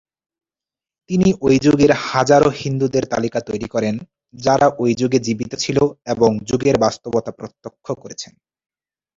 তিনি ঐ যুগের হাজারো হিন্দুদের তালিকা তৈরী করেন, যারা ঐ যুগে জীবিত ছিল এবং যুগের বাস্তবতা প্রত্যক্ষ করেছেন।